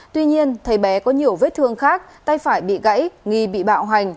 tuy nhiên thấy bé có nhiều vết thương khác tay phải bị gãy nghi bị bạo hành